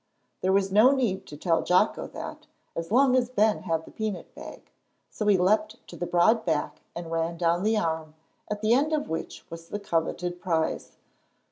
There was no need to tell Jocko that, as long as Ben had the peanut bag. So he leaped to the broad back and ran down the arm, at the end of which was the coveted prize.